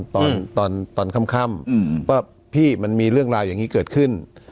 ตอนตอนตอนค่ำค่ำอืมเพราะพี่มันมีเรื่องราวอย่างงี้เกิดขึ้น